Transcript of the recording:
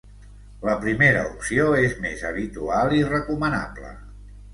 La primera opció és més habitual i recomanable.